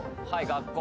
学校